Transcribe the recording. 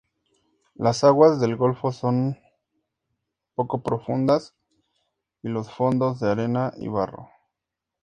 Las aguas del golfo son poco profundas y los fondos de arena y barro.